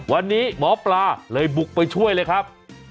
วันนี้หมอปลาเลยบุกไปช่วยเลยครับ